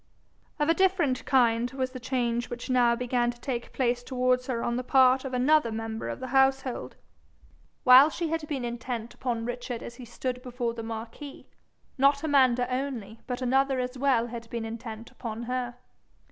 Of a different kind was the change which now began to take place towards her on the part of another member of the household. While she had been intent upon Richard as he stood before the marquis, not Amanda only but another as well had been intent upon her.